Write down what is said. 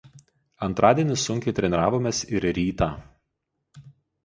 Antradienį sunkiai treniravomės ir rytą